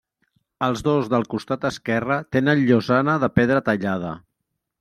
Els dos del costat esquerre tenen llosana de pedra tallada.